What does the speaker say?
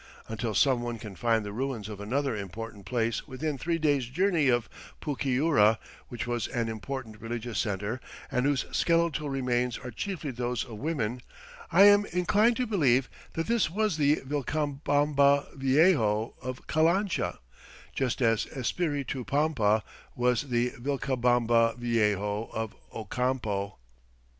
Until some one can find the ruins of another important place within three days' journey of Pucyura which was an important religious center and whose skeletal remains are chiefly those of women, I am inclined to believe that this was the "Vilcabamba Viejo" of Calancha, just as Espiritu Pampa was the "Vilcabamba Viejo" of Ocampo.